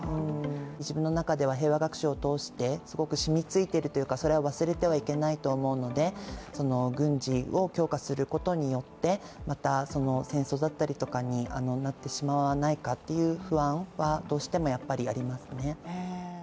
自分の中では平和学習を通してそれは忘れてはいけないと思うので軍事を強化することによってまた戦争だったりとかになってしまわないかという不安はどうしてもやっぱりありますね。